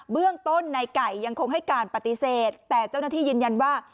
เบื้องต้นในไก่ยังคงให้การปฏิเสธแต่เจ้าหน้าที่ยืนยันว่า